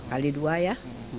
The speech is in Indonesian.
kali dua ya